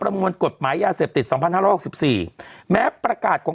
ถูกต้องถูกต้อง